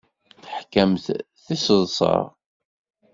Teḥkamt-d tiseḍsa.